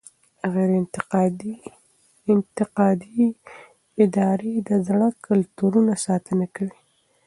غیر انتفاعي ادارې د زاړه کلتورونو ساتنه کوي.